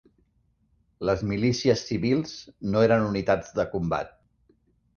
Les milícies civils no eren unitats de combat.